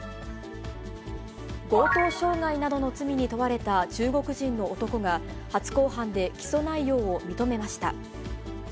強盗傷害などの罪に問われた中国人の男が、初公判で起訴内容を認めました。